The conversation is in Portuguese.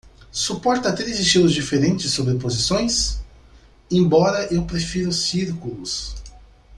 Suporta três estilos diferentes de sobreposições?, embora eu prefira os círculos.